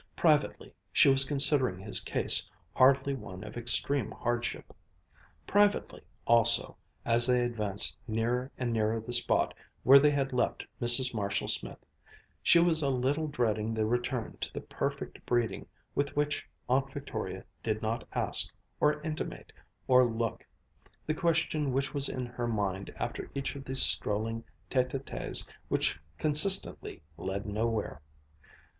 Privately she was considering his case hardly one of extreme hardship. Privately also, as they advanced nearer and nearer the spot where they had left Mrs. Marshall Smith, she was a little dreading the return to the perfect breeding with which Aunt Victoria did not ask, or intimate, or look, the question which was in her mind after each of these strolling tête à têtes which consistently led nowhere.